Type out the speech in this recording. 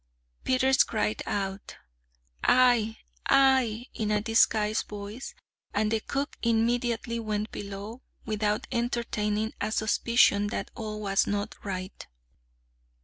Peters cried out, "Ay, ay," in a disguised voice, and the cook immediately went below, without entertaining a suspicion that all was not right.